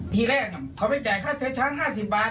ที่แรกเขาไปจ่ายค่าเทชา๕๐บาท